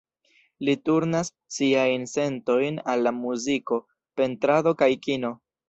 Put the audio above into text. Li turnas siajn sentojn al la muziko, pentrado kaj kino.